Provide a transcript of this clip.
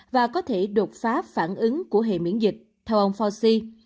và có thể đột phá phản ứng của hệ miễn dịch theo ông foci